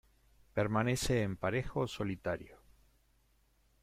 Permanece en pareja o solitario.